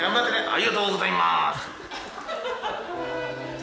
ありがとうございます。